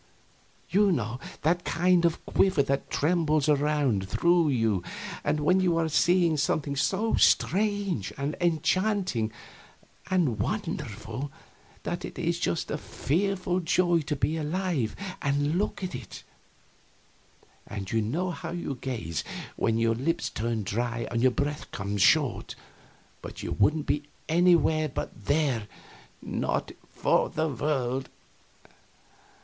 You know that kind of quiver that trembles around through you when you are seeing something so strange and enchanting and wonderful that it is just a fearful joy to be alive and look at it; and you know how you gaze, and your lips turn dry and your breath comes short, but you wouldn't be anywhere but there, not for the world.